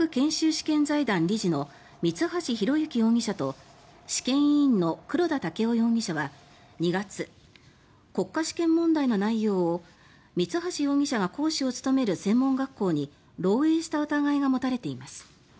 試験財団理事の三橋裕之容疑者と試験委員の黒田剛生容疑者は２月国家試験問題の内容を三橋容疑者が講師を務める専門学校に漏えいした疑いが持たれています。